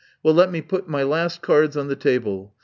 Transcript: Well, let me put my last cards on the table.